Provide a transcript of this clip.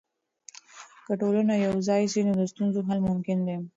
که ټولنه یوځای سي، نو د ستونزو حل ممکن دی.